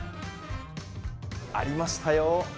ありましたよ。